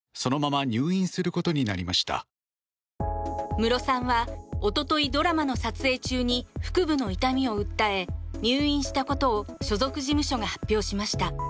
ムロさんは一昨日ドラマの撮影中に腹部の痛みを訴え入院したことを所属事務所が発表しました。